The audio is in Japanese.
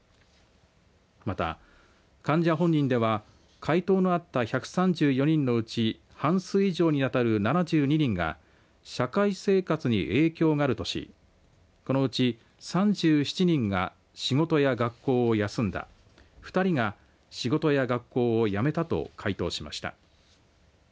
また、患者本人では回答のあった１３４人のうち半数以上に当たる７２人が社会生活に影響があるとしこのうち、３７人が仕事や学校を休んだ２人が仕事や学校をやめたと回答しました。